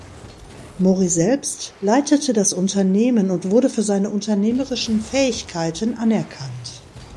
Mori selbst leitete das Unternehmen und wurde für seine unternehmerischen Fähigkeiten anerkannt.